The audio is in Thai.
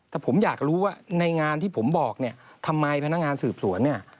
แต่ผมอยากรู้ว่าในงานที่ผมบอกทำไมพนักงานสืบสวน